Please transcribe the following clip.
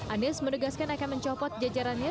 anies menegaskan akan mencopot jajarannya